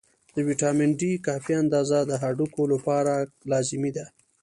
د ویټامین D کافي اندازه د هډوکو لپاره لازمي ده.